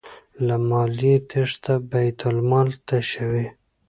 له مالیې تیښته بیت المال تشوي.